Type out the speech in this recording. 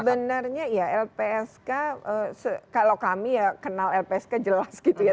sebenarnya ya lpsk kalau kami ya kenal lpsk jelas gitu ya